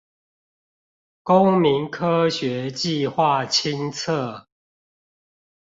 公民科學計畫清冊